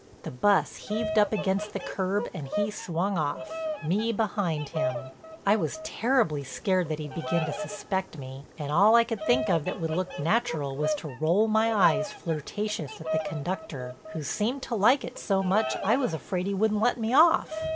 The bus heaved up against the curb and he swung off, me behind him. I was terribly scared that he'd begin to suspect me, and all I could think of that would look natural was to roll my eyes flirtatious at the conductor, who seemed to like it so much I was afraid he wouldn't let me off.